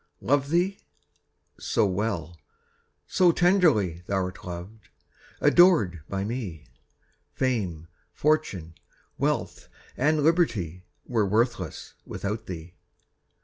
Love thee? so well, so tenderly Thou'rt loved, adored by me, Fame, fortune, wealth, and liberty, Were worthless without thee.